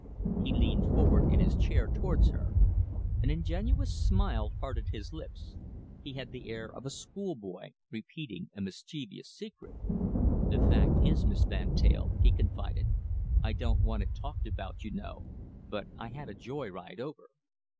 He leaned forward in his chair towards her. An ingenuous smile parted his lips. He had the air of a schoolboy repeating a mischievous secret. "The fact is, Miss Van Teyl," he confided, "I don't want it talked about, you know, but I had a joy ride over."